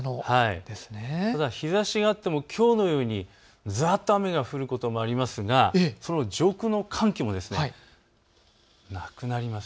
ただ日ざしがあってもきょうのようにざっと雨が降ることもありますが上空の寒気もなくなります。